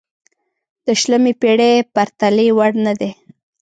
د شلمې پېړۍ پرتلې وړ نه دی.